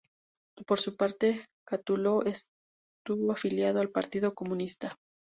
Por su parte Cátulo estuvo afiliado al Partido Comunista.